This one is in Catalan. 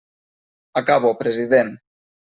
Acabo, president.